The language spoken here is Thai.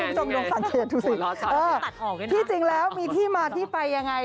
พี่จงลงสังเกตทุกสิเออที่จริงแล้วมีที่มาที่ไปยังไง